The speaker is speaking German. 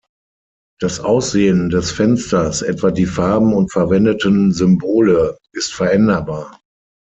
Das Aussehen des Fensters, etwa die Farben und verwendeten Symbole, ist veränderbar.